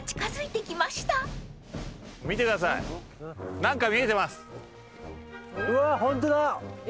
何か見えてるよ。